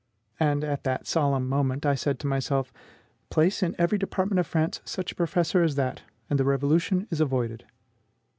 And, at that solemn moment, I said to myself: "Place in every department of France such a professor as that, and the revolution is avoided."